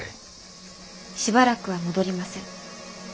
しばらくは戻りません。